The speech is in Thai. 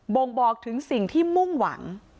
่งบอกถึงสิ่งที่มุ่งหวัง